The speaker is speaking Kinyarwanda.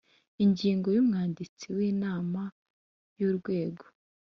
Ingingo ya umwanditsi w inama y urwego